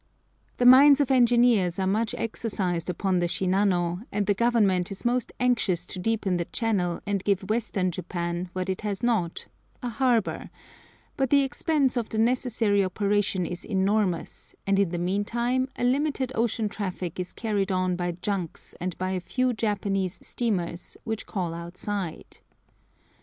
The minds of engineers are much exercised upon the Shinano, and the Government is most anxious to deepen the channel and give Western Japan what it has not—a harbour; but the expense of the necessary operation is enormous, and in the meantime a limited ocean traffic is carried on by junks and by a few small Japanese steamers which call outside.